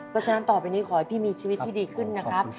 แล้วฉะนั้นต่อไปนี่ขอให้พี่มีชีวิตที่ดีขึ้นนะครับขอบคุณครับ